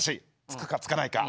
つくかつかないか。